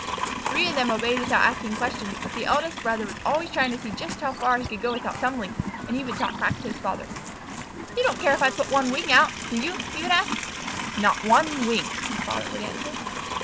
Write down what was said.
Three of them obeyed without asking questions, but the eldest brother was always trying to see just how far he could go without tumbling, and he would talk back to his father. "You don't care if I put one wing out, do you?" he would ask. "Not one wing!" his father would answer.